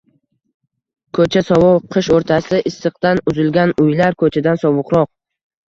Ko'cha sovuq, qish o'rtasida issiqdan uzilgan uylar ko'chadan sovuqroq